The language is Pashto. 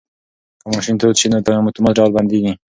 که ماشین تود شي نو په اتومات ډول بندیږي.